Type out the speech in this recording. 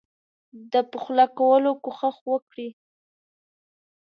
د پخلا کولو کوښښ وکړي.